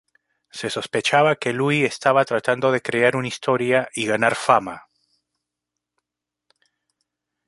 Se sospechaba que Lui estaba tratando de crear una historia y ganar fama.